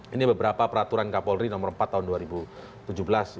ini beberapa peraturan kapolri nomor empat tahun dua ribu tujuh belas